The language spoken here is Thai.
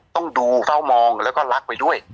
ต้องดูเฝ้ามองแล้วก็รักไปด้วย